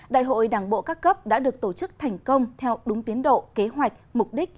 đại hội đảng bộ các cấp đã được tổ chức thành công theo đúng tiến độ kế hoạch mục đích